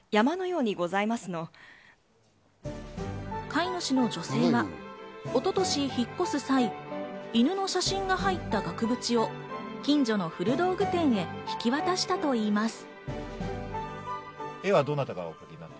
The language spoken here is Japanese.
飼い主の女性は一昨年、引っ越す際、犬の写真が入った額縁を近所の古道具店へ引き渡したといいます。